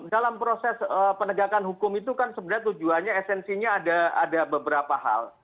dalam proses penegakan hukum itu kan sebenarnya tujuannya esensinya ada beberapa hal